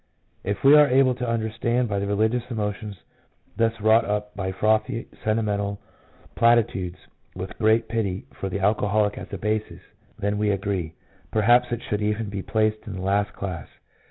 If we are to understand by the religious emotions those wrought up by frothy, sentimental platitudes, with great pity for the alcoholic as a basis, then we agree ; perhaps it should even be placed in the last class.